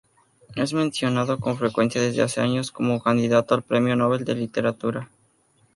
Es mencionado con frecuencia desde hace años como candidato al Premio Nobel de Literatura.